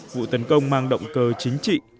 vụ tấn công mang động cơ chính trị